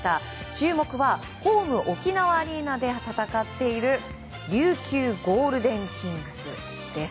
注目はホーム沖縄アリーナで戦っている琉球ゴールデンキングスです。